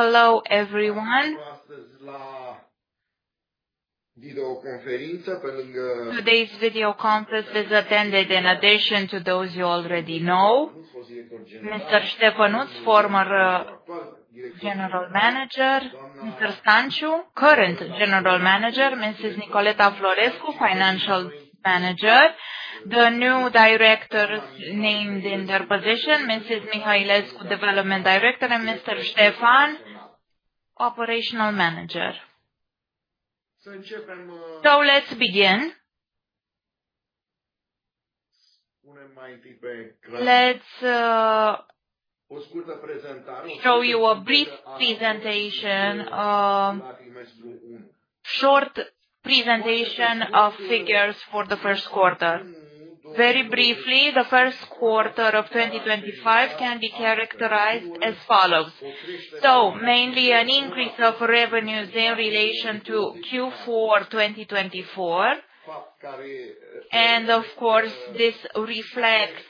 Hello, everyone. Astăzi, la videoconferință, pe lângă. Today's videoconference is attended, in addition to those you already know: Mr. Ștefănuț, former General Manager; Mr. Stanciu, current General Manager; Mrs. Nicoleta Florescu, Financial Manager. The new directors named in their positions: Mrs. Mihăilescu, Development Director; and Mr. Ștefan, Operational Manager. Să începem. So let's begin. Punem mai întâi pe ecran. Let's. O scurtă prezentare. Show you a brief presentation. Short presentation of figures for the first quarter. Very briefly, the first quarter of 2025 can be characterized as follows: so mainly an increase of revenues in relation to Q4 2024, and of course this reflects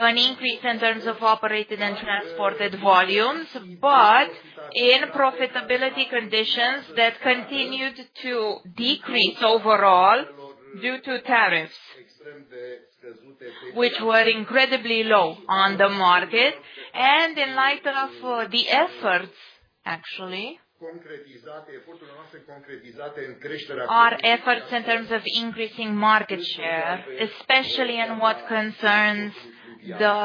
an increase in terms of operated and transported volumes, but in profitability conditions that continued to decrease overall due to tariffs, which were incredibly low on the market, and in light of the efforts, actually. Eforturile noastre concretizate în creșterea costurilor. Our efforts in terms of increasing market share, especially in what concerns the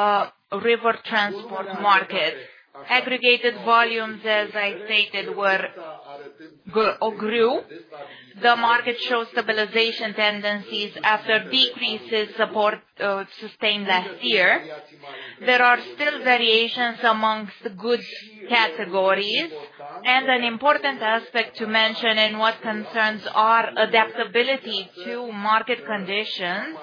river transport market. Aggregated volumes, as I stated, were upward. The market showed stabilization tendencies after decreases sustained last year. There are still variations among goods categories, and an important aspect to mention in what concerns our adaptability to market conditions,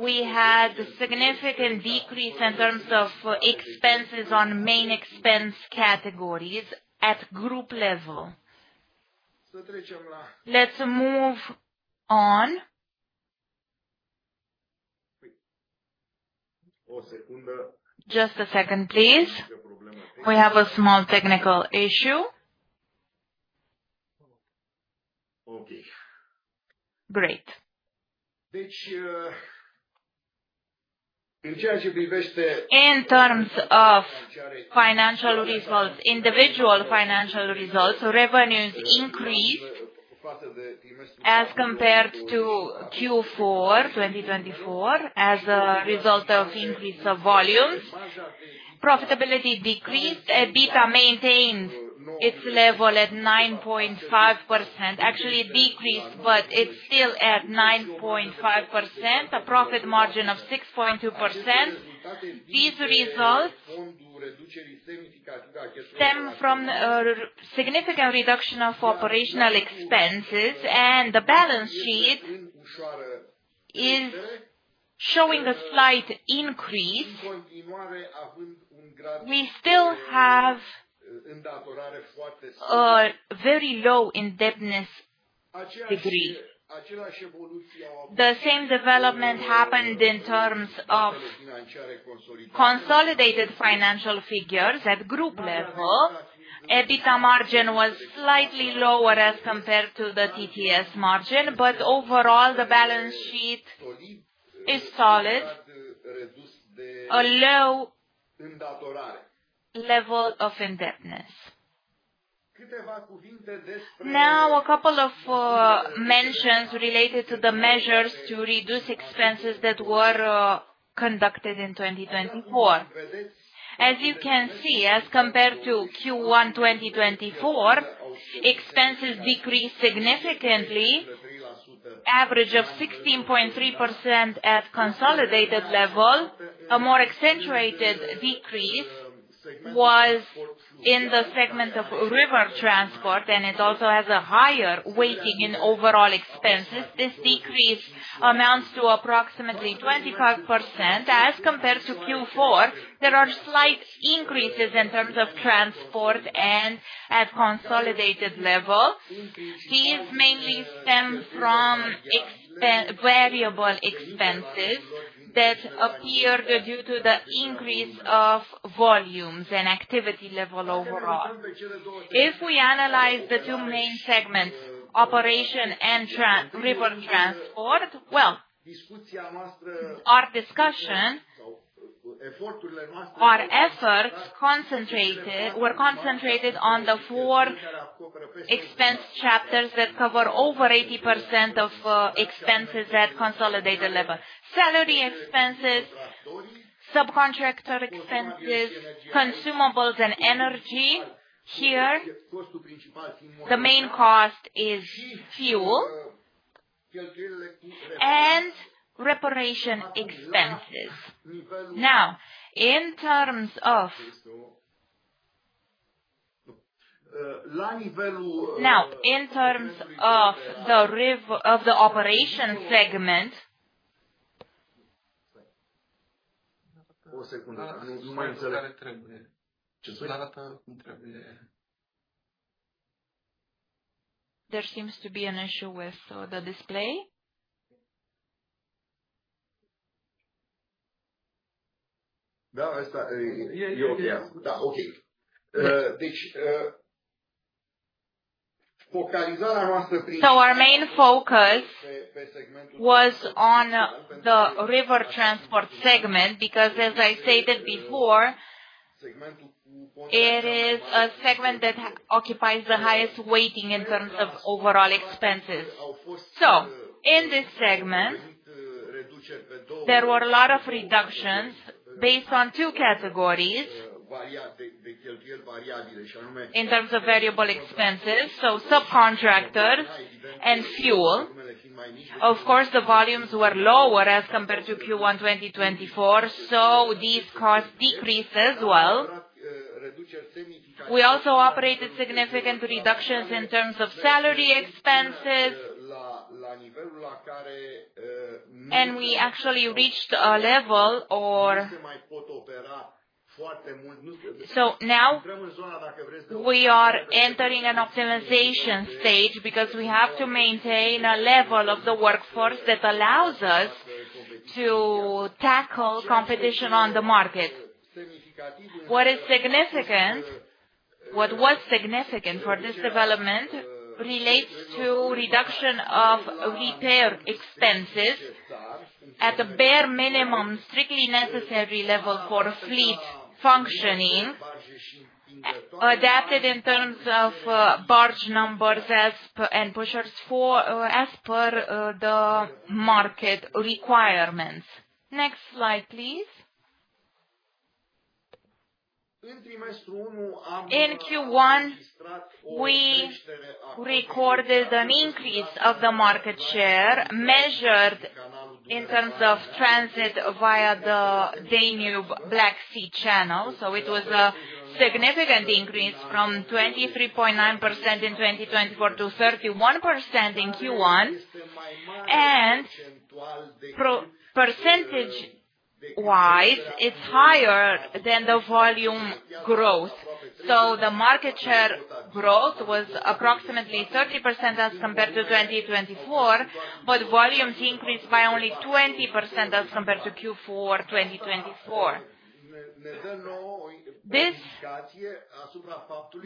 we had a significant decrease in terms of expenses on main expense categories at group level. Let's move on. O secundă. Just a second, please. Nicio problemă. We have a small technical issue. Ok. Great. Deci, în ceea ce privește. In terms of financial results, individual financial results, revenues increased as compared to Q4 2024 as a result of increase of volumes. Profitability decreased. EBITDA maintained its level at 9.5%. Actually, it decreased, but it's still at 9.5%. A profit margin of 6.2%. These results stem from a significant reduction of operational expenses, and the balance sheet is showing a slight increase. În continuare, având un grad. We still have a very low indebtedness degree. Aceeași evoluție au avut. The same development happened in terms of consolidated financial figures at group level. EBITDA margin was slightly lower as compared to the TTS margin, but overall the balance sheet is solid, a low level of indebtedness. Câteva cuvinte despre. Now, a couple of mentions related to the measures to reduce expenses that were conducted in 2024. As you can see, as compared to Q1 2024, expenses decreased significantly, average of 16.3% at consolidated level. A more accentuated decrease was in the segment of river transport, and it also has a higher weighting in overall expenses. This decrease amounts to approximately 25% as compared to Q4. There are slight increases in terms of transport and at consolidated level. These mainly stem from variable expenses that appeared due to the increase of volumes and activity level overall. If we analyze the two main segments, operation and river transport, well, our discussion concentrated on the four expense chapters that cover over 80% of expenses at consolidated level: salary expenses, subcontractor expenses, consumables, and energy. Here, the main cost is fuel and repair expenses. Now, in terms of. La nivelul. Now, in terms of the operation segment. O secundă, nu mai înțeleg. Ce arată cum trebuie? There seems to be an issue with the display. Da, ăsta e ok. Deci, focalizarea noastră prin. So our main focus was on the river transport segment because, as I stated before, it is a segment that occupies the highest weighting in terms of overall expenses. So, in this segment, there were a lot of reductions based on two categories. Variabile. In terms of variable expenses, so subcontractors and fuel. Of course, the volumes were lower as compared to Q1 2024, so these cost decreases, well. We also operated significant reductions in terms of salary expenses. La nivelul la care. We actually reached a level or. So, now. We are entering an optimization stage because we have to maintain a level of the workforce that allows us to tackle competition on the market. What was significant for this development relates to reduction of repair expenses at the bare minimum, strictly necessary level for fleet functioning, adapted in terms of barge numbers and pushers as per the market requirements. Next slide, please. În trimestrul 1. In Q1, we recorded an increase of the market share measured in terms of transit via the Danube-Black Sea Canal. So, it was a significant increase from 23.9% in 2024 to 31% in Q1, and percentage-wise, it's higher than the volume growth. So, the market share growth was approximately 30% as compared to 2024, but volumes increased by only 20% as compared to Q4 2024. This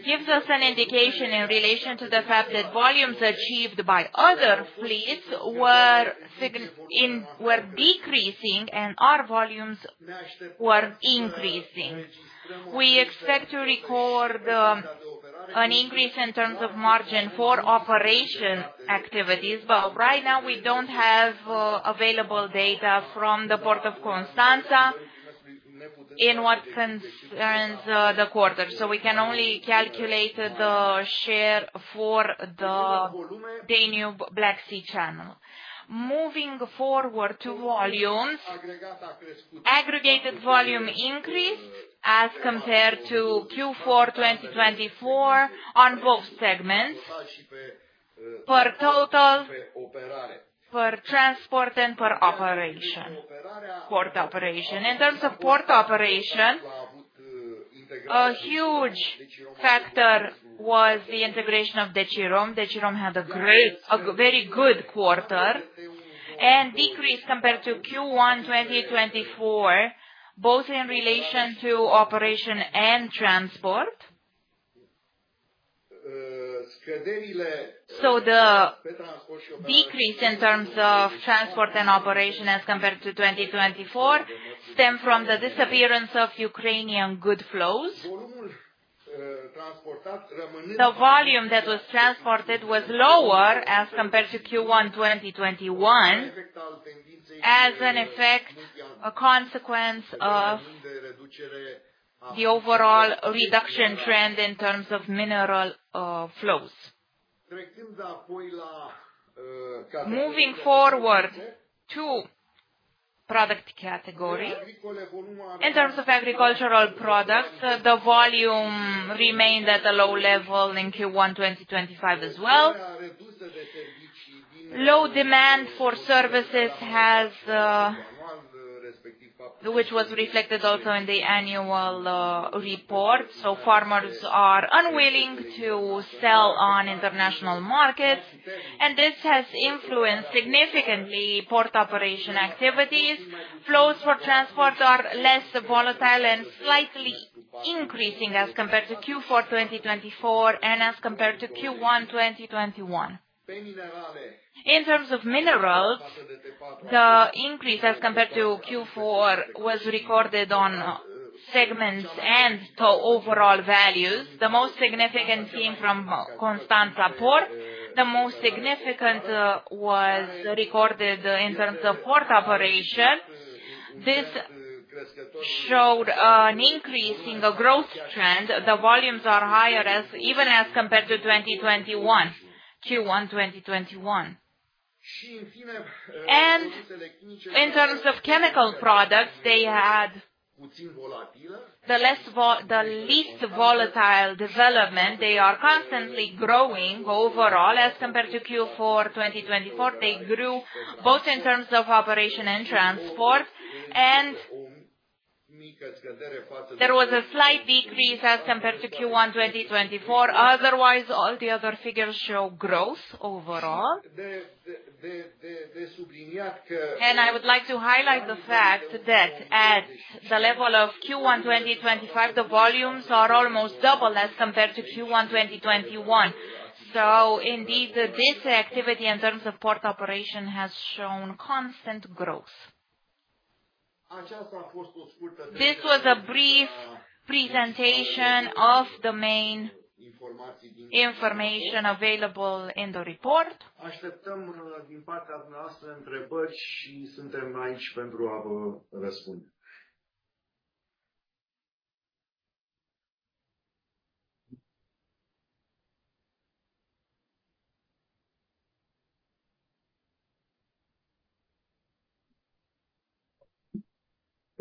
gives us an indication in relation to the fact that volumes achieved by other fleets were decreasing and our volumes were increasing. We expect to record an increase in terms of margin for operation activities, but right now we don't have available data from the Port of Constanța in what concerns the quarter. So, we can only calculate the share for the Danube-Black Sea Canal. Moving forward to volumes, aggregated volume increased as compared to Q4 2024 on both segments per total, per transport, and per operation. Port operation. In terms of port operation, a huge factor was the integration of Decirom. Decirom had a very good quarter and decreased compared to Q1 2024, both in relation to operation and transport. So, the decrease in terms of transport and operation as compared to 2024 stemmed from the disappearance of Ukrainian goods flows. The volume that was transported was lower as compared to Q1 2021 as an effect, a consequence of the overall reduction trend in terms of mineral flows. Moving forward to product category, in terms of agricultural products, the volume remained at a low level in Q1 2025 as well. Low demand for services, which was reflected also in the annual report. Farmers are unwilling to sell on international markets, and this has influenced significantly port operation activities. Flows for transport are less volatile and slightly increasing as compared to Q4 2024 and as compared to Q1 2021. In terms of minerals, the increase as compared to Q4 was recorded on segments and overall values. The most significant came from Constanța port. The most significant was recorded in terms of port operation. This showed an increase in the growth trend. The volumes are higher even as compared to Q1 2021. In terms of chemical products, they had the least volatile development. They are constantly growing overall as compared to Q4 2024. They grew both in terms of operation and transport, and there was a slight decrease as compared to Q1 2024. Otherwise, all the other figures show growth overall. I would like to highlight the fact that at the level of Q1 2025, the volumes are almost double as compared to Q1 2021. Indeed, this activity in terms of port operation has shown constant growth. Aceasta a fost o scurtă prezentare. This was a brief presentation of the main information available in the report.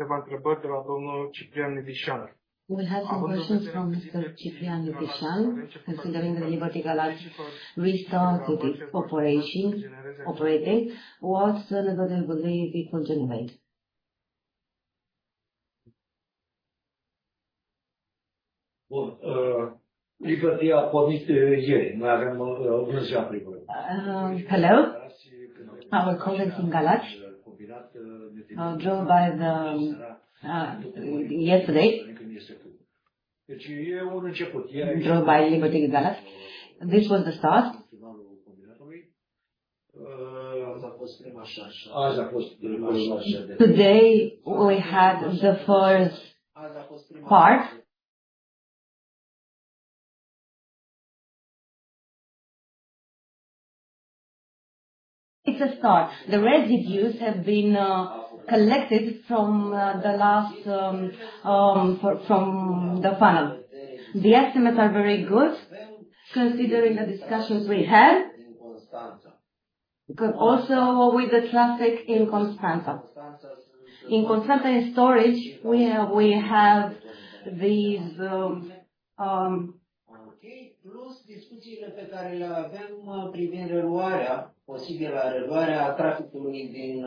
Așteptăm din partea dumneavoastră întrebări și suntem aici pentru a vă răspunde. Câteva întrebări de la domnul Ciprian Nedișan. We'll have some questions from Mr. Ciprian Nedișan considering the Liberty Galați restart operation operating. What level of labor will generate? Liberty a pornit ieri. Noi avem vânzări. Hello? Our colleagues in Galați drove by yesterday. Deci, e un început. Drove by Liberty Galați. This was the start. Asta a fost prima așa. Today we had the first part. It's a start. The residues have been collected from the last panel. The estimates are very good considering the discussions we had. Also, with the traffic in Constanța. In Constanța storage, we have these. Plus discuțiile pe care le avem privind reluarea, posibila reluare a traficului din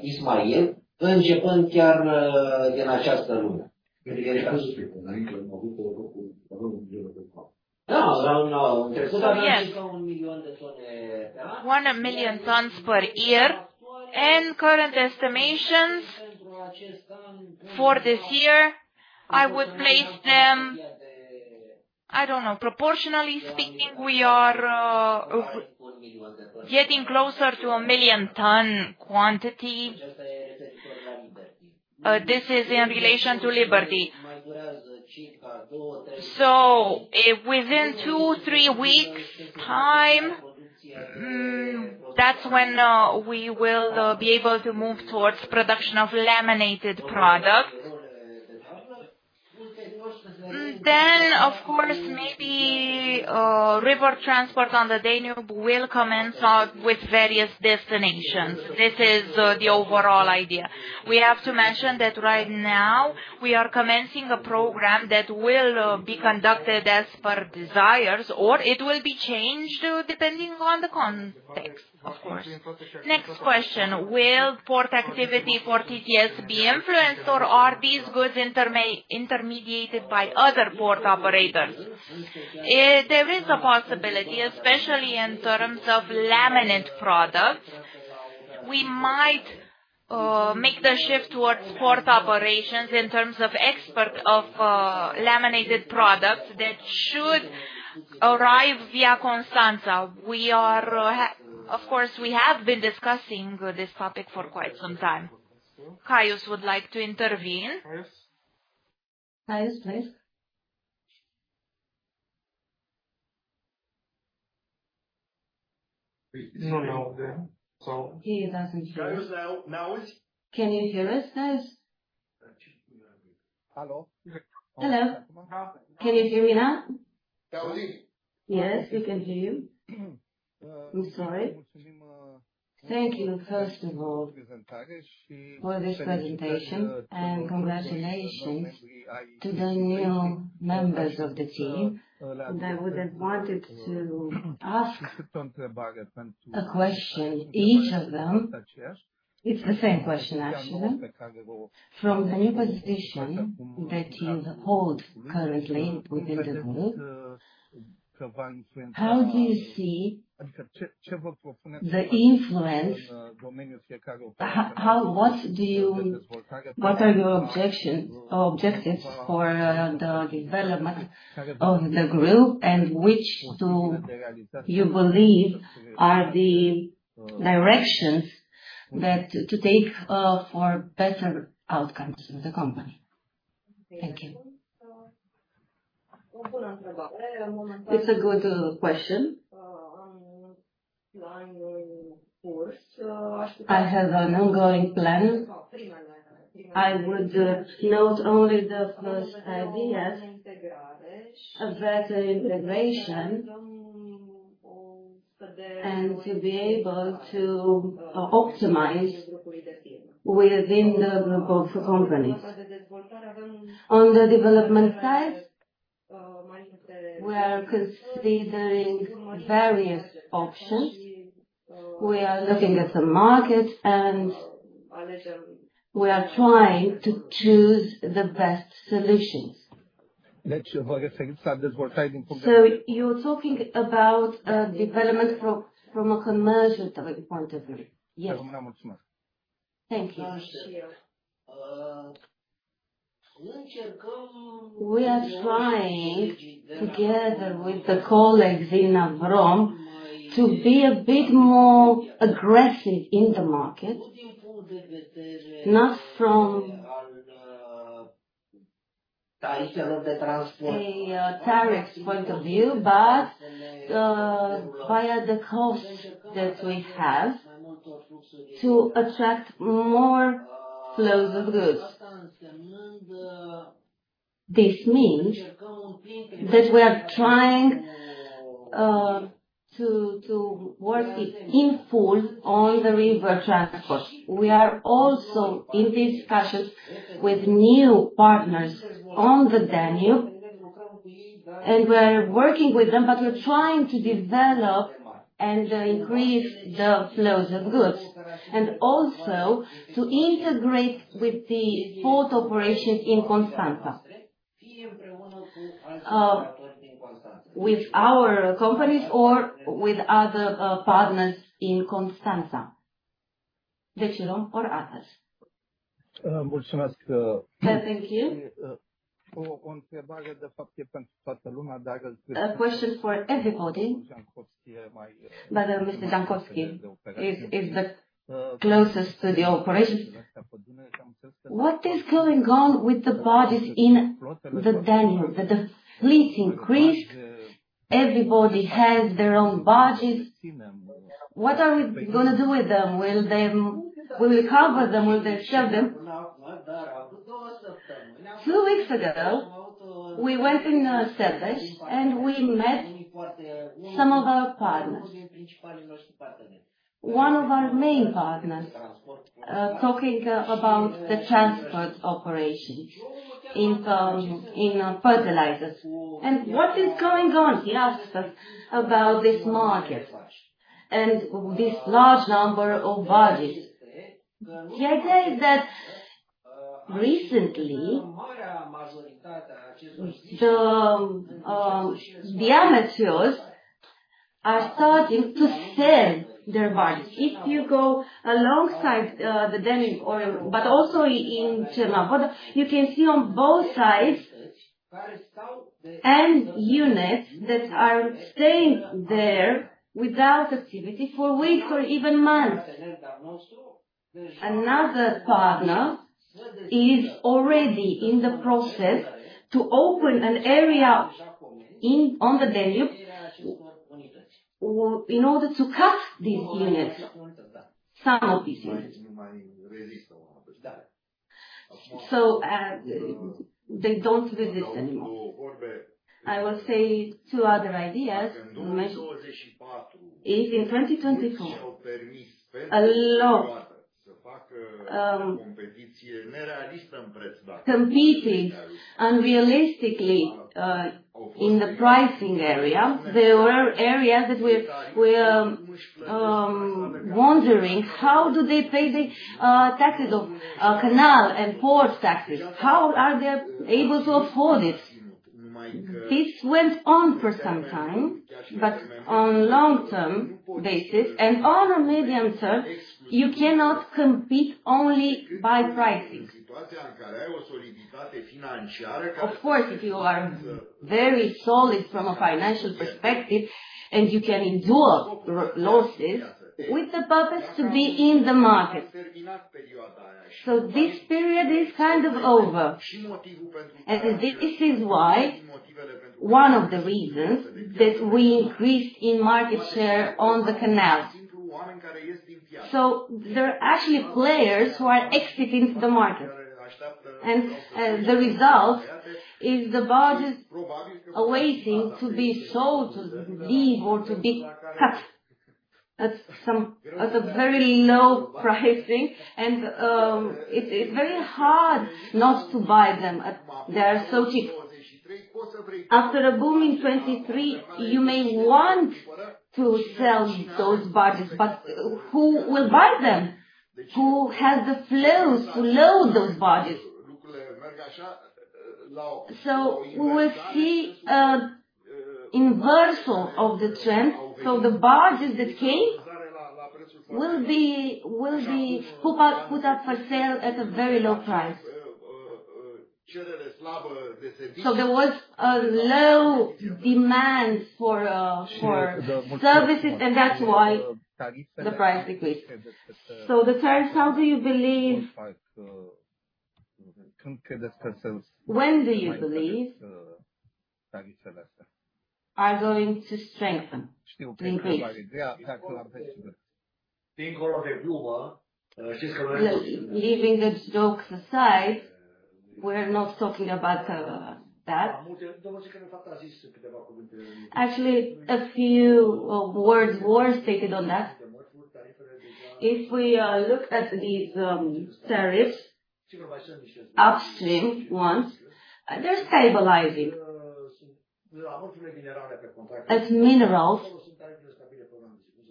Ismail, începând chiar din această lună. Da, în trecut aveam și eu un milion de tone pe an. 1 million tons per year, and current estimations for this year, I would place them. I don't know, proportionally speaking, we are getting closer to a million ton quantity. This is in relation to Liberty. So, within 2-3 weeks' time, that's when we will be able to move towards production of laminated products. Then, of course, maybe river transport on the Danube will commence with various destinations. This is the overall idea. We have to mention that right now we are commencing a program that will be conducted as per desires, or it will be changed depending on the context, of course. Next question. Will port activity for TTS be influenced, or are these goods intermediated by other port operators? There is a possibility, especially in terms of laminated products. We might make the shift towards port operations in terms of export of laminated products that should arrive via Constanța. Of course, we have been discussing this topic for quite some time. Caius would like to intervene. Caius, please. No, no. He doesn't hear us. Can you hear us, Caius? Hello. Hello. Can you hear me now? Yes, we can hear you. I'm sorry. Thank you, first of all, for this presentation, and congratulations to the new members of the team. I would have wanted to ask a question, each of them. It's the same question, actually. From the new position that you hold currently within the group, how do you see the influence? What are your objectives for the development of the group, and which do you believe are the directions to take for better outcomes in the company? Thank you. It's a good question. I have an ongoing plan. I would note only the first ideas about integration and to be able to optimize within the group of companies. On the development side, we are considering various options. We are looking at the market, and we are trying to choose the best solutions. So you're talking about development from a commercial point of view? Yes. Thank you. We are trying together with the colleagues in Navrom to be a bit more aggressive in the market, not from the tariffs point of view, but via the costs that we have to attract more flows of goods. This means that we are trying to work in full on the river transport. We are also in discussions with new partners on the Danube, and we are working with them, but we're trying to develop and increase the flows of goods and also to integrate with the port operations in Constanța with our companies or with other partners in Constanța. Decirom or others. Mulțumesc. Thank you. A question for everybody. But Mr. Jankowski is the closest to the operations. What is going on with the barges in the Danube? The fleets increased. Everybody has their own barges. What are we going to do with them? Will we cover them? Will they push them? Two weeks ago, we went in Sebeș and we met some of our partners. One of our main partners talking about the transport operations in fertilizers. And what is going on? He asked us about this market and this large number of barges. The idea is that recently the shipowners are starting to sell their barges. If you go alongside the Danube or, but also in Cernavodă, you can see on both sides, units that are staying there without activity for weeks or even months. Another partner is already in the process to open an area on the Danube in order to cut these units, some of these units. So they don't visit anymore. I will say two other ideas. In 2024, a lot of competition is unrealistic in the pricing area. There were areas that were wondering, how do they pay the taxes of canal and port taxes? How are they able to afford it? This went on for some time, but on a long-term basis and on a medium term, you cannot compete only by pricing. Of course, if you are very solid from a financial perspective and you can endure losses with the purpose to be in the market. So this period is kind of over. This is one of the reasons that we increased in market share on the canal. So there are actually players who are exiting the market. The result is the barges are waiting to be sold, to leave, or to be cut at a very low price. It is very hard not to buy them. They are so cheap. After a boom in 2023, you may want to sell those barges. But who will buy them? Who has the flows to load those barges? We will see an inversion of the trend. The barges that came will be put up for sale at a very low price. There was low demand for services, and that is why the price decreased. The tariffs, how do you believe when do you believe are going to strengthen? Leaving the jokes aside, we're not talking about that. Actually, a few words were stated on that. If we look at these tariffs, upstream ones, they're stabilizing.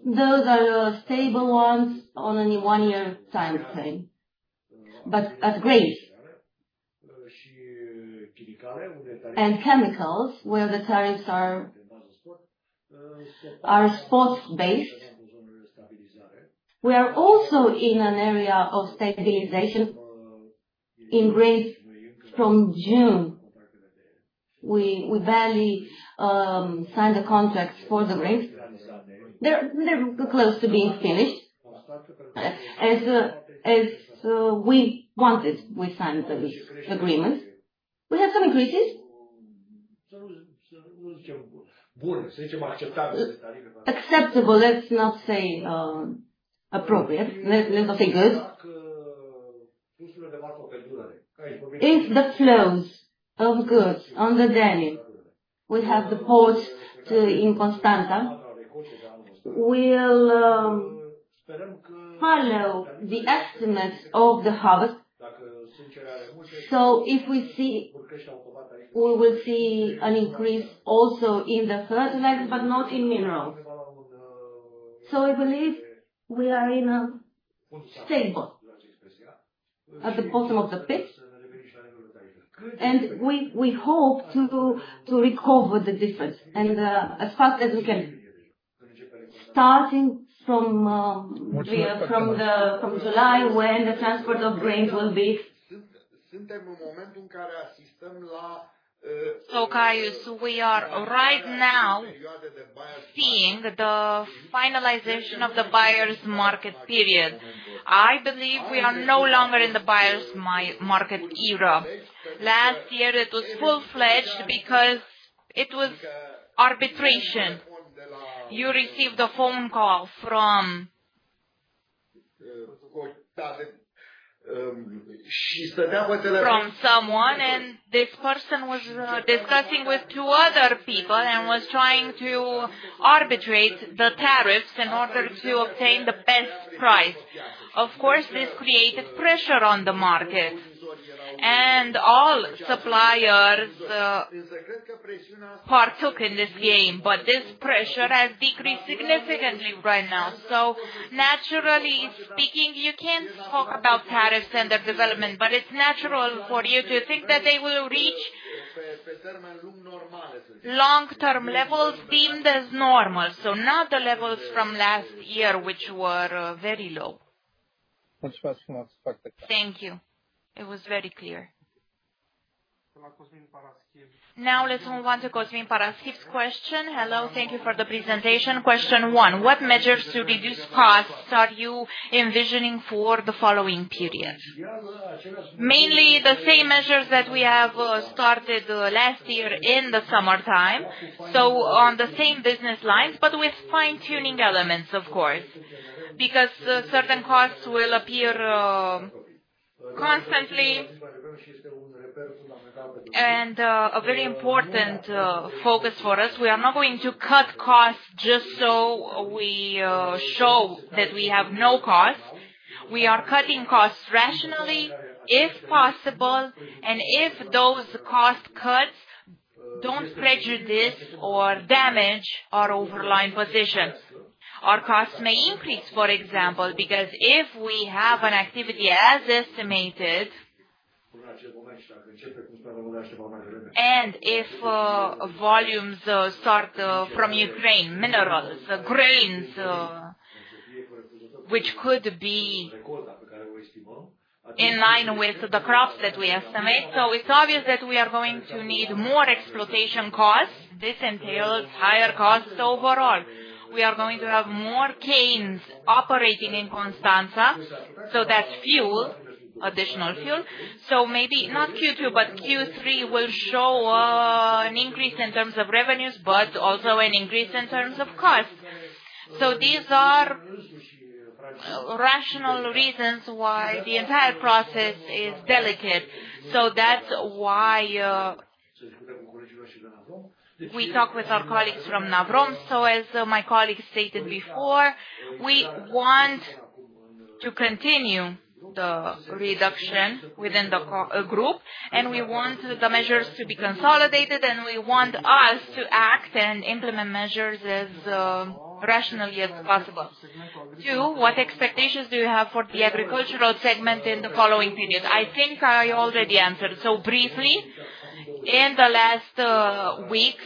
Those are stable ones on a one-year time frame, but agri, and chemicals, where the tariffs are spot-based, we are also in an area of stabilization in Greece from June. We barely signed the contracts for the Greeks. They're close to being finished. As we wanted, we signed the agreement. We had some increases. Acceptable. Let's not say appropriate. Let's not say good. If the flows of goods on the Danube will have the ports in Constanța, we'll follow the estimates of the harvest. So if we see an increase also in the fertilizers, but not in minerals. So I believe we are in a stable at the bottom of the pit, and we hope to recover the difference as fast as we can, starting from July when the transport of grains will be. So Caius, we are right now seeing the finalization of the buyer's market period. I believe we are no longer in the buyer's market era. Last year, it was full-fledged because it was arbitrage. You received a phone call from someone, and this person was discussing with two other people and was trying to arbitrage the tariffs in order to obtain the best price. Of course, this created pressure on the market, and all suppliers partook in this game. But this pressure has decreased significantly right now. So naturally speaking, you can't talk about tariffs and their development, but it's natural for you to think that they will reach long-term levels deemed as normal, so not the levels from last year, which were very low. Thank you. It was very clear. Now let's move on to Cosmin Paraschiv's question. Hello. Thank you for the presentation. Question one. What measures to reduce costs are you envisioning for the following period? Mainly the same measures that we have started last year in the summertime, so on the same business lines, but with fine-tuning elements, of course, because certain costs will appear constantly. And a very important focus for us, we are not going to cut costs just so we show that we have no costs. We are cutting costs rationally if possible, and if those cost cuts don't prejudice or damage our overlying position. Our costs may increase, for example, because if we have an activity as estimated, and if volumes start from Ukraine, minerals, grains, which could be in line with the crops that we estimate, so it's obvious that we are going to need more exploitation costs. This entails higher costs overall. We are going to have more barges operating in Constanța, so that's fuel, additional fuel. So maybe not Q2, but Q3 will show an increase in terms of revenues, but also an increase in terms of costs. So these are rational reasons why the entire process is delicate. So that's why we talk with our colleagues from Navrom. So as my colleagues stated before, we want to continue the reduction within the group, and we want the measures to be consolidated, and we want us to act and implement measures as rationally as possible. Two, what expectations do you have for the agricultural segment in the following period? I think I already answered, so briefly, in the last weeks,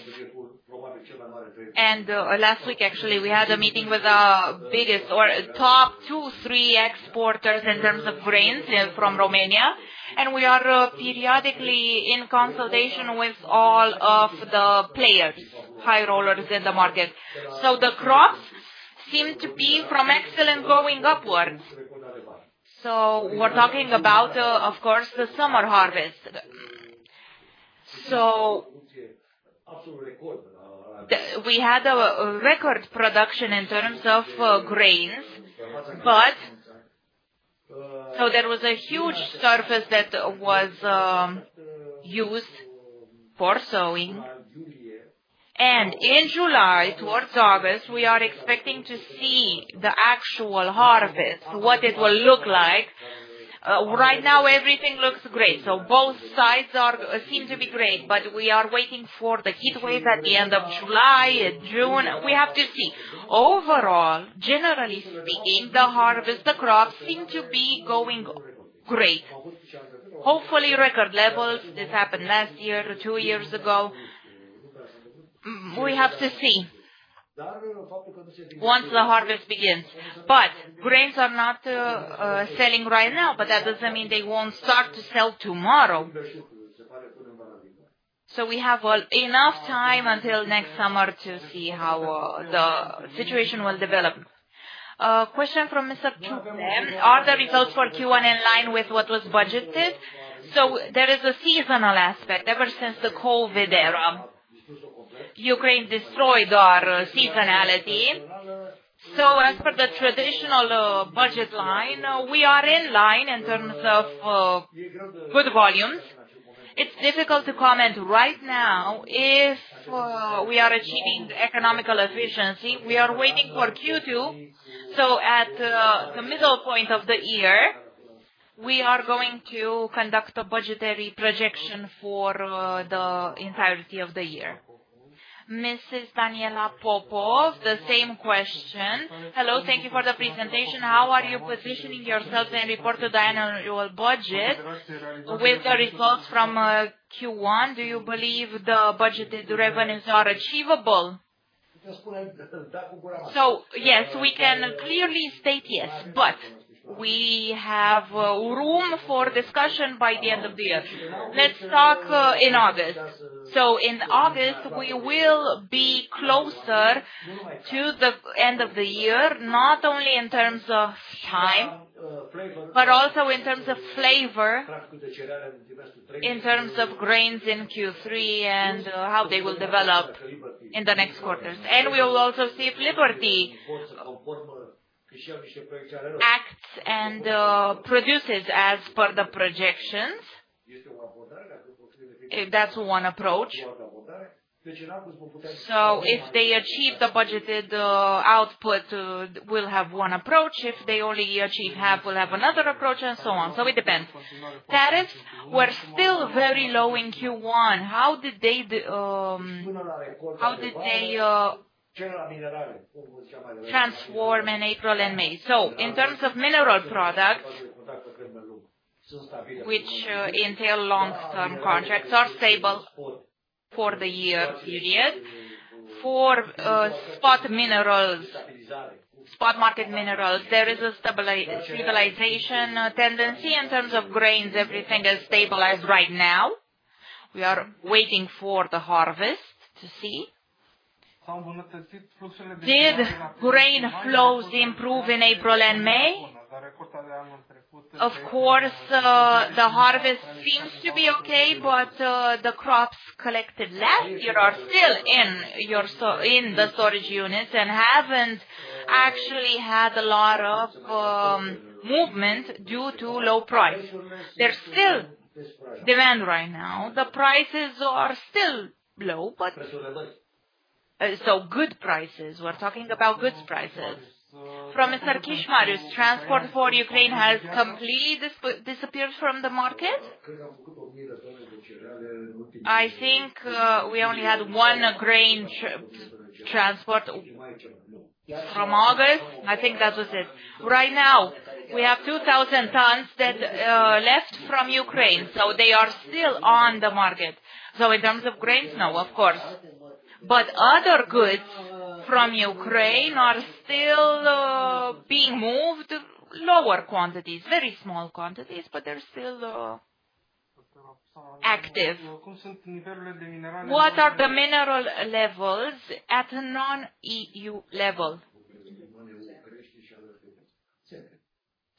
and last week, actually, we had a meeting with our biggest or top two, three exporters in terms of grains from Romania, and we are periodically in consultation with all of the players, high rollers in the market, so the crops seem to be from excellent going upwards, so we're talking about, of course, the summer harvest, so we had a record production in terms of grains, but there was a huge surface that was used for sowing, and in July, towards August, we are expecting to see the actual harvest, what it will look like. Right now, everything looks great, so both sides seem to be great, but we are waiting for the heat wave at the end of July, June. We have to see. Overall, generally speaking, the harvest, the crops seem to be going great. Hopefully, record levels. This happened last year or two years ago. We have to see once the harvest begins. But grains are not selling right now, but that doesn't mean they won't start to sell tomorrow. So we have enough time until next summer to see how the situation will develop. Question from Mr. Dram. Are the results for Q1 in line with what was budgeted? So there is a seasonal aspect. Ever since the COVID era, Ukraine destroyed our seasonality. So as per the traditional budget line, we are in line in terms of good volumes. It's difficult to comment right now if we are achieving economical efficiency. We are waiting for Q2. So at the middle point of the year, we are going to conduct a budgetary projection for the entirety of the year. Mrs. Daniela Popov, the same question. Hello. Thank you for the presentation. How are you positioning yourself in regard to the annual budget with the results from Q1? Do you believe the budgeted revenues are achievable? So yes, we can clearly state yes, but we have room for discussion by the end of the year. Let's talk in August. So in August, we will be closer to the end of the year, not only in terms of time, but also in terms of flow, in terms of grains in Q3 and how they will develop in the next quarters. And we will also see if Liberty acts and produces as per the projections, if that's one approach. So if they achieve the budgeted output, we'll have one approach. If they only achieve half, we'll have another approach, and so on. So it depends. Tariffs were still very low in Q1. How did they transform in April and May? So in terms of mineral products, which entail long-term contracts, are stable for the year period. For spot minerals, spot market minerals, there is a stabilization tendency. In terms of grains, everything is stabilized right now. We are waiting for the harvest to see. Did grain flows improve in April and May? Of course, the harvest seems to be okay, but the crops collected last year are still in the storage units and haven't actually had a lot of movement due to low price. There's still demand right now. The prices are still low, but so good prices. We're talking about goods prices. From Mr. Cișmaru, transport for Ukraine has completely disappeared from the market. I think we only had one grain transport from August. I think that was it. Right now, we have 2,000 tons that left from Ukraine, so they are still on the market. So in terms of grains, no, of course. But other goods from Ukraine are still being moved, lower quantities, very small quantities, but they're still active. What are the mineral levels at a non-EU level?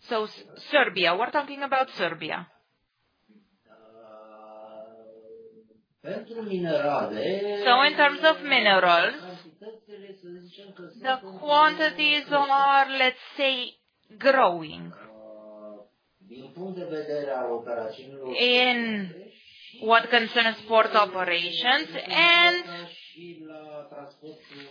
So Serbia. We're talking about Serbia. So in terms of minerals, the quantities are, let's say, growing. In what concerns port operations and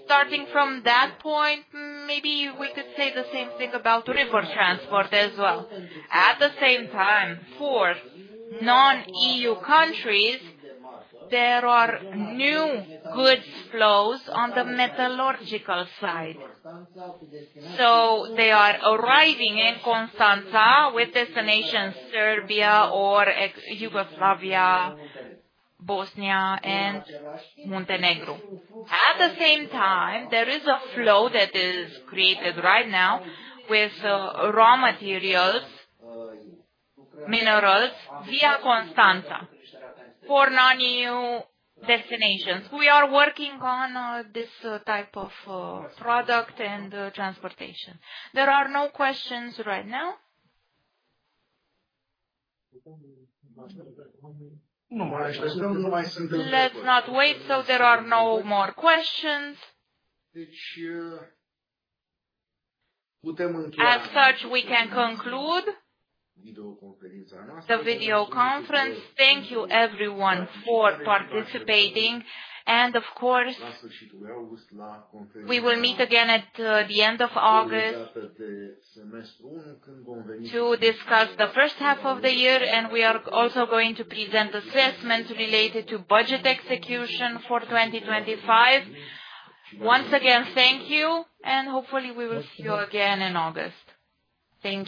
starting from that point, maybe we could say the same thing about river transport as well. At the same time, for non-EU countries, there are new goods flows on the metallurgical side. So they are arriving in Constanța with destination Serbia or Yugoslavia, Bosnia, and Montenegro. At the same time, there is a flow that is created right now with raw materials, minerals via Constanța for non-EU destinations. We are working on this type of product and transportation. There are no questions right now. Let's not wait. So there are no more questions. As such, we can conclude the video conference. Thank you, everyone, for participating. And of course, we will meet again at the end of August to discuss the first half of the year, and we are also going to present assessments related to budget execution for 2025. Once again, thank you, and hopefully, we will see you again in August. Thank you.